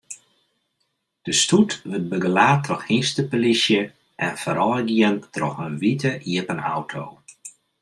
De stoet wurdt begelaat troch hynsteplysje en foarôfgien troch in wite iepen auto.